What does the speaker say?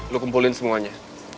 lo kumpulin semuanya